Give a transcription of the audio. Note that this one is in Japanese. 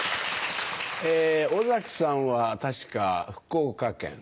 尾崎さんは確か福岡県。